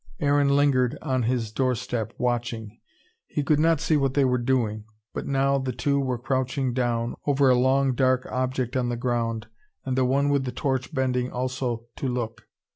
Aaron lingered on his doorstep, watching. He could not see what they were doing. But now, the two were crouching down; over a long dark object on the ground, and the one with the torch bending also to look.